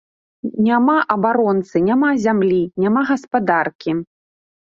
Няма абаронцы, няма зямлі, няма гаспадаркі.